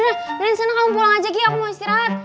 dari sana kamu pulang aja gi aku mau istirahat